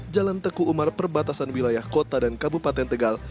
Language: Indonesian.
jalan teku umar perbatasan wilayah kota dan kabupaten tegal